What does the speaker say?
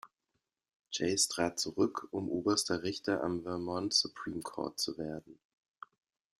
Chase trat zurück, um Oberster Richter am Vermont Supreme Court zu werden.